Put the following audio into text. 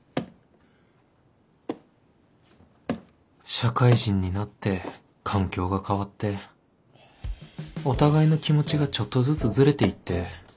社会人になって環境が変わってお互いの気持ちがちょっとずつずれていって